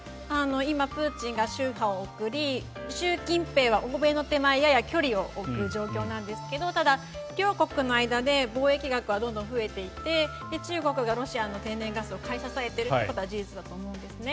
今、プーチンが秋波を送り習近平は欧米の手前やや距離を置く状況なんですがただ、両国の間で貿易額はどんどん増えていって中国がロシアの天然ガスを買い支えていることは事実だと思うんですね。